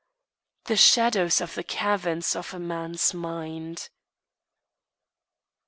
The shadows of the caverns of man's mind.